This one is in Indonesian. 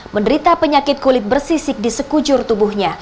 menderita penyakit kulit bersisik di sekujur tubuhnya